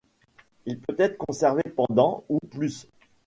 Il peut être conservé pendant ou plus.